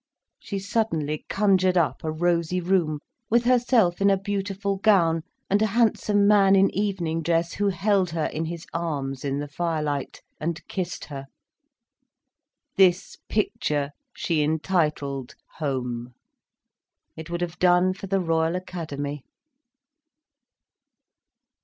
She suddenly conjured up a rosy room, with herself in a beautiful gown, and a handsome man in evening dress who held her in his arms in the firelight, and kissed her. This picture she entitled "Home." It would have done for the Royal Academy.